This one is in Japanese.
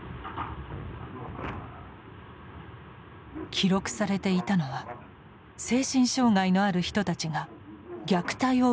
記録されていたのは精神障害のある人たちが虐待を受けている様子でした。